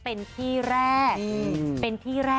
เป็นที่แรกเลย